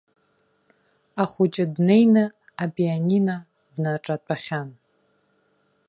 Ахәыҷы днеины апианино днаҿатәахьан.